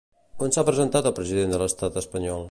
On s'ha presentat el president de l'estat espanyol?